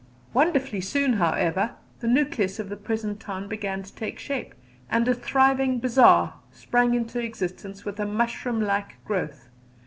Wonderfully soon, however, the nucleus of the present town began to take shape, and a thriving "bazaar" sprang into existence with a mushroom like growth.